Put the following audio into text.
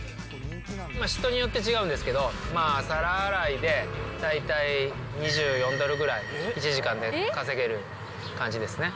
人によって違うんですけど、皿洗いで大体２４ドルぐらい、１時間で稼げる感じですね。